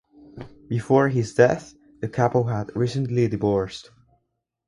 Before his death, the couple had recently divorced.